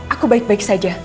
aku baik baik saja